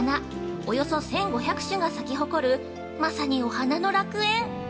およそ１５００種が咲き誇るまさにお花の楽園。